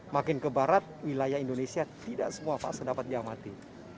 makin ke barat wilayah indonesia tidak semua fase dapat diamati